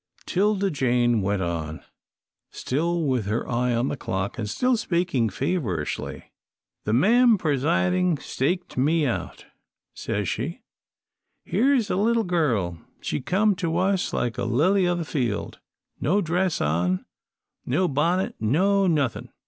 'Tilda Jane went on, still with her eye on the clock, and still speaking feverishly. "The mam pressiding staked me out. Says she, 'Here is a little girl she come to us like a lily o' the field; no dress on, no bunnit, no nothin'.